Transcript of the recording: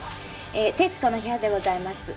『徹子の部屋』でございます。